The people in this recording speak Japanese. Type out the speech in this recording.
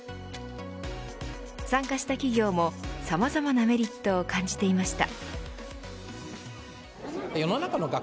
参加した企業もさまざまなメリットを感じていました。